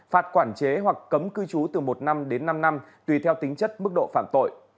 phạt quản chế hoặc cấm cư trú từ một năm đến năm năm tùy theo tính chất mức độ phạm tội